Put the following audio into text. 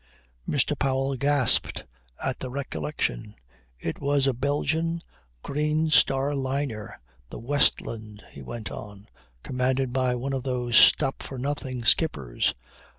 Mr. Powell gasped at the recollection. "It was a Belgian Green Star liner, the Westland," he went on, "commanded by one of those stop for nothing skippers.